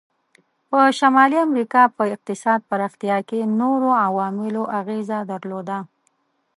په شمالي امریکا په اقتصاد پراختیا کې نورو عواملو اغیزه درلوده.